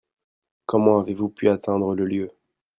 Comment avez-vous pu atteindre le lieu ?